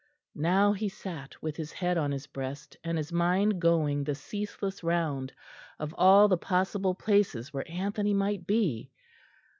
Now he sat, with his head on his breast, and his mind going the ceaseless round of all the possible places where Anthony might be.